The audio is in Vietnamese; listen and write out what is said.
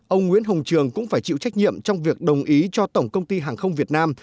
ông nguyễn hồng trường cũng phải chịu trách nhiệm trong việc đồng ý cho tổng công ty hàng không việt nam